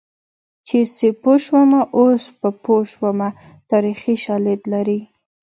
چې سیپو شومه اوس په پوه شومه تاریخي شالید لري